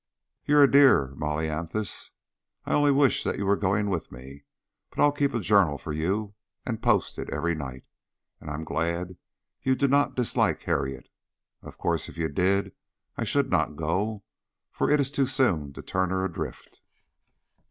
"You're a dear, Mollyanthus. I only wish you were going with me, but I'll keep a journal for you and post it every night. I am glad you do not dislike Harriet. Of course if you did I should not go, for it is too soon to turn her adrift."